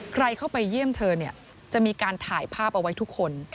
ใครเข้าไปเยี่ยมเธอจะมีการถ่ายภาพเอาไว้ทุกคน